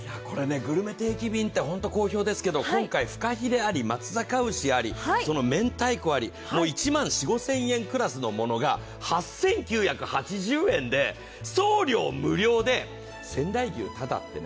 グルメ定期便ってホント好評ですけど今回、ふかひれあり、松阪牛あり、めんたいこあり、１万４０００５０００円クラスのものが８９８０円で送料無料で仙台牛ただってね。